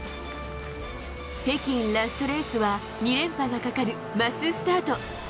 北京ラストレースは２連覇がかかるマススタート。